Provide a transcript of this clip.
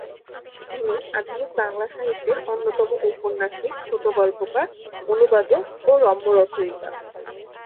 তিনি আধুনিক বাংলা সাহিত্যের অন্যতম ঔপন্যাসিক, ছোটগল্পকার, অনুবাদক ও রম্যরচয়িতা।